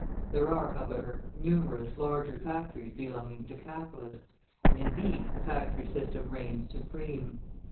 There are, however, numerous larger factories belonging to capitalists; and in these the factory system reigns supreme.